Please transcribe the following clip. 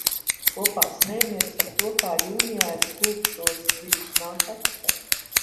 Kopā smejamies par to, kā jūnijā es lūgšos viņus nākt atpakaļ.